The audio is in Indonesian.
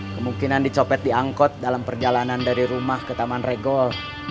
kemungkinan dicopet di angkot dalam perjalanan dari rumah ke taman regol